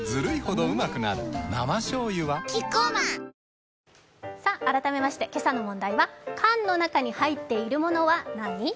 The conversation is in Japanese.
生しょうゆはキッコーマン改めまして今朝の問題は缶の中に入っているものは何？